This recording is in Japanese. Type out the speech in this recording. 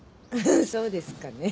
そうですかね。